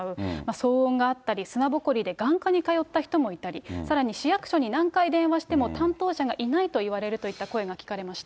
騒音があったり、砂ぼこりで眼科に通った人もいたり、さらに市役所に何回電話しても、担当者がいないと言われるといった声が聞かれました。